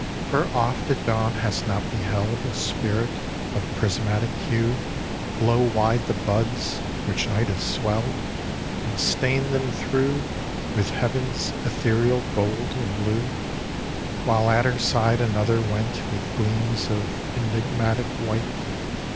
For oft at dawn hast not beheld A spirit of prismatic hue Blow wide the buds, which night has swelled? And stain them through With heav'n's ethereal gold and blue? While at her side another went With gleams of enigmatic white?